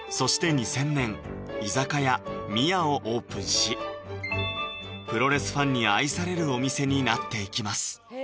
２０００年居酒屋・みやをオープンしプロレスファンに愛されるお店になっていきます